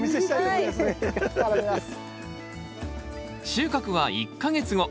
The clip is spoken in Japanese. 収穫は１か月後。